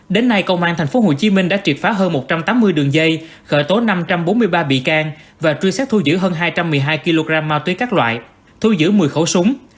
đến nay công an tp hcm đã triệt phá hơn một trăm tám mươi đường dây khởi tố năm trăm bốn mươi ba bị can và truy xét thu giữ hơn hai trăm một mươi hai kg ma túy các loại thu giữ một mươi khẩu súng